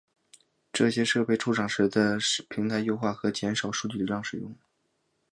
这些设备出厂时的平台优化可减少数据流量使用。